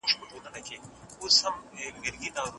ایا د کندهار کلا به د دښمن پر مخ خلاصه شي؟